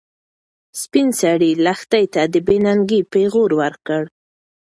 سپین سرې لښتې ته د بې ننګۍ پېغور ورکړ.